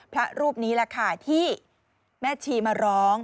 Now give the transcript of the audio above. พระรูปนี้แหละค่ะที่แม่ชีมาร้อง